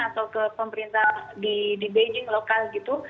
atau ke pemerintah di beijing lokal gitu